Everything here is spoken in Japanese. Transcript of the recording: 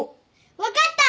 分かった！